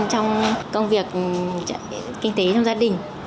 trong công việc kinh tế trong gia đình